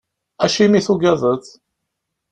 Acimi tugadeḍ?